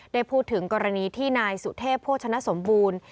ได้พูดถึงกรณีที่นายสุเทพโภชนสมบูรณ์